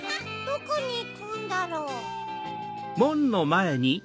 どこにいくんだろう？